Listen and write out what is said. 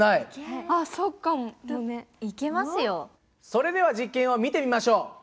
それでは実験を見てみましょう。